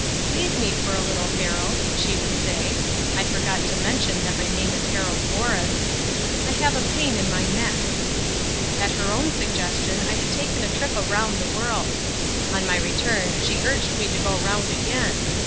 "Leave me for a little, Harold," she would say (I forgot to mention that my name is Harold Borus), "I have a pain in my neck." At her own suggestion I had taken a trip around the world. On my return she urged me to go round again.